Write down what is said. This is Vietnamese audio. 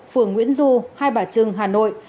phường nguyễn du hai bà trưng hà nội